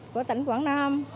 của tỉnh quảng nam